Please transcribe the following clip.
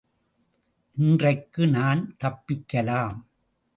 இன்றைக்கு நான் தப்பிக்கலாம்.